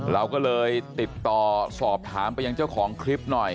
เราก็เลยติดต่อสอบถามไปยังเจ้าของคลิปหน่อย